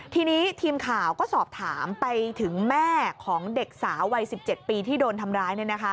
ทีนี้ทีมข่าวก็สอบถามไปถึงแม่ของเด็กสาววัย๑๗ปีที่โดนทำร้าย